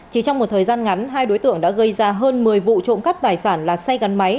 chỉ trong một thời gian ngắn hai đối tượng đã gây ra hơn một mươi vụ trộm cắp tài sản là xe gắn máy